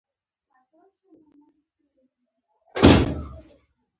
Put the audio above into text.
خیر خبرې هم ثواب لري.